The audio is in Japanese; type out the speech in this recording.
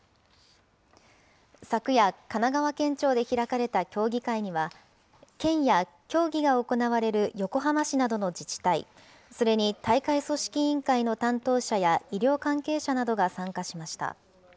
昨夜、神奈川県庁で開かれた協議会には、県や競技が行われる横浜市などの自治体、それに大会組織委員会の担当者や医療関係者などが参加しました。